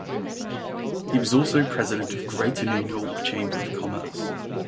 He was also president of Greater New York Chamber Of Commerce.